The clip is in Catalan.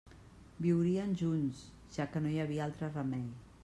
Viurien junts, ja que no hi havia altre remei.